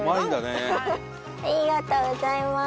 ありがとうございます。